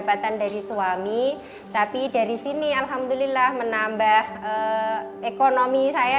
ketua dia bisa menyekolahkan anaknya